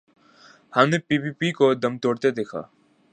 ہم نے P P P کو دم توڑتے دیکھا۔